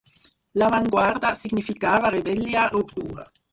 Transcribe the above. L'avantguarda significava rebel·lia, ruptura.